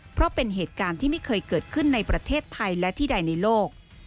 เพราะเป็นเหตุการณ์ที่ไม่เคยเกิดขึ้นในประเทศไทยและที่ใดในโลก